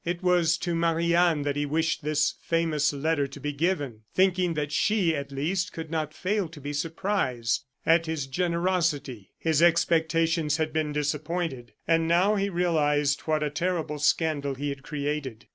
It was to Marie Anne that he wished this famous letter to be given, thinking that she, at least, could not fail to be surprised at his generosity. His expectations had been disappointed; and now he realized what a terrible scandal he had created.